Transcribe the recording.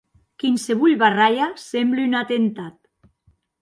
Quinsevolh barralha semble un atemptat.